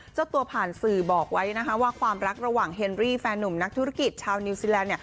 เจ้าตัวผ่านสื่อบอกไว้นะคะว่าความรักระหว่างเฮนรี่แฟนหนุ่มนักธุรกิจชาวนิวซีแลนด์